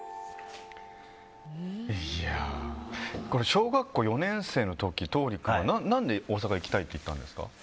小学校４年生の時橙利君は何で大阪に行きたいって言ったんですか？